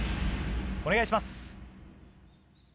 お願いします。